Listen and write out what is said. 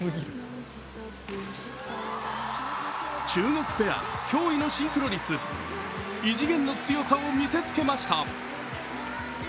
中国ペア、驚異のシンクロ率、異次元の強さを見せつけました。